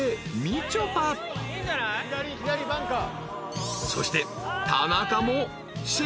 左バンカー。